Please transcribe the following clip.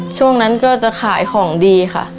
ช่วงนั้นก็จะขายของดีค่ะ